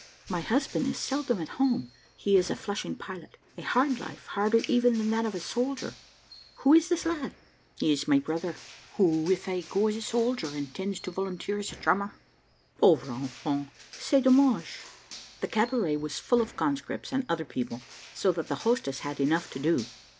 My husband is seldom at home; he is a Flushing pilot. A hard life, harder even that that of a soldier. Who is this lad?" "He is my brother, who, if I go as a soldier, intends to volunteer as a drummer." "Pauvre enfant! c'est dommage." The cabaret was full of conscripts and other people, so that the hostess had enough to do.